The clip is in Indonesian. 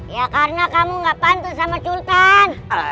ya karena kamu gak pantun sama sultan